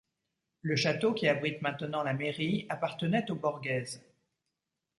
Le château, qui abrite maintenant la mairie, appartenait aux Borghese.